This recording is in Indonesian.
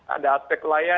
ada aspek layar